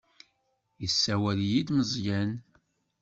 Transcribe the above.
Yessawel-iyi-d Meẓyan.